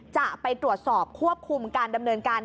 จะไปตรวจสอบควบคุมการดำเนินการ